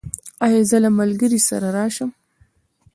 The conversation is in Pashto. ایا زه له ملګري سره راشم؟